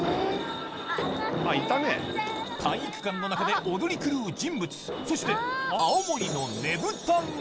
体育館の中で踊り狂う人物そして青森のねぶたが！